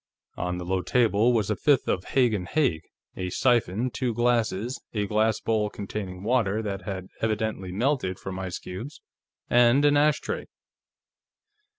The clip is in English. On the low table was a fifth of Haig & Haig, a siphon, two glasses, a glass bowl containing water that had evidently melted from ice cubes, and an ashtray.